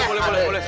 boleh boleh boleh